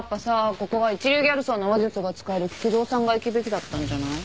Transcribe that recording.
ここは一流ギャルソンの話術が使える菊蔵さんが行くべきだったんじゃない？